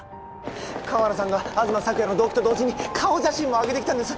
河原さんが東朔也の動機と同時に顔写真もあげてきたんです